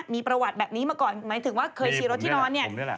มีประวัติแบบนี้มาก่อนหมายถึงว่าเคยขี่รถที่นอนเนี่ย